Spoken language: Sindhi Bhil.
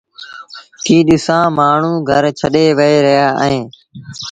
ڪيٚ ڏسآݩ مآڻهوٚݩ گھر ڇڏي وهي رهيآ اهيݩ